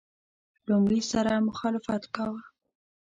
لومړي سره مخالفت کاوه.